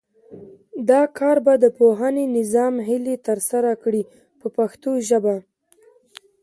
دا کار به د پوهنې نظام هیلې ترسره کړي په پښتو ژبه.